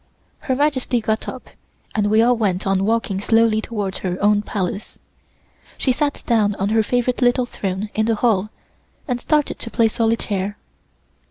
Her Majesty got up and we all went on walking slowly towards her own Palace. She sat down on her favorite little throne in the hall and started to play solitaire.